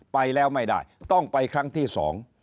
ไปแล้วไม่ได้ต้องไปครั้งที่สอง